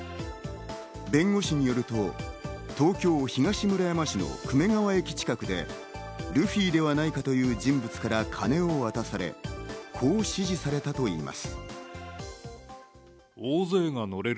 弁護士によると、東京・東村山市の久米川駅近くでルフィではないかという人物から金を渡され、こう指示されたといいます。